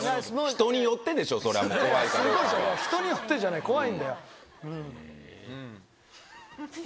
人によってじゃない怖いんだよ。